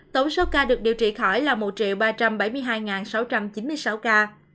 tổng số ca được điều trị khỏi là một ba trăm bảy mươi hai sáu trăm chín mươi sáu ca